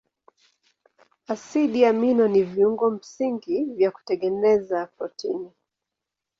Asidi amino ni viungo msingi vya kutengeneza protini.